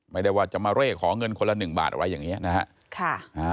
ไม่ได้ว่าจะมาเร่ขอเงินคนละ๑บาทอะไรอย่างนี้นะฮะ